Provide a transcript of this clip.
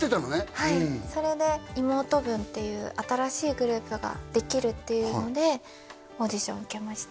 はいそれで妹分っていう新しいグループができるっていうのでオーディションを受けました